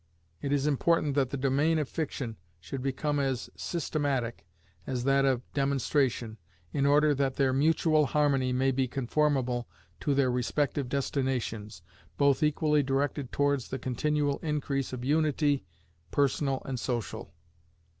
"It is important that the domain of fiction should become as systematic as that of demonstration, in order that their mutual harmony may be conformable to their respective destinations, both equally directed towards the continual increase of unity, personal and social."